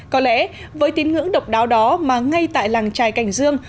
có lẽ với tín ngưỡng độc đáo đó mà ngay tại làng trài cảnh dương